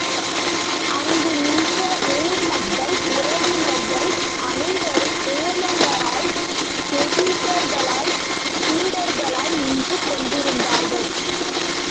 அங்கு நின்ற ஊர்மக்கள், உறவினர்கள் அனைவரும் ஊமையராய், செவிடர்களாய் குருடர்களாய் நின்று கொண்டிருந்தார்கள்.